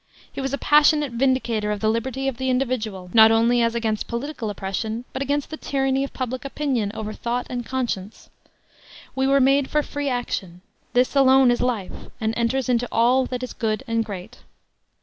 He was a passionate vindicator of the liberty of the individual not only as against political oppression but against the tyranny of public opinion over thought and conscience: "We were made for free action. This alone is life, and enters into all that is good and great."